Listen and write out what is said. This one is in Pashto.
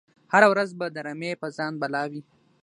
هره ورځ به د رمی په ځان بلا وي